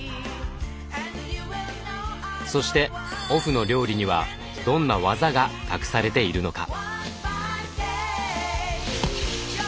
そしてオフの料理にはどんな技が隠されているのか？